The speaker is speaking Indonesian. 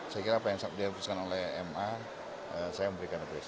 saya kira apa yang dihapuskan oleh ma saya memberikan apresiasi